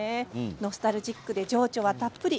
ノスタルジックで情緒がたっぷり。